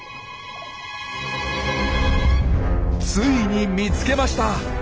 ついに見つけました！